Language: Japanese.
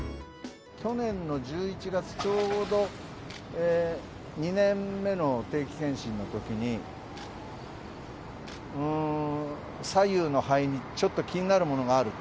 去年の１１月ちょうど、２年目の定期健診のときに、左右の肺にちょっと気になるものがある。